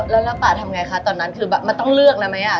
แล้วป่าทำไงคะตอนนั้นมันต้องเลือกนะมั้ย